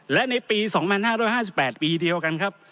และในปี๒๕๕๘ปีเดียวกันครับ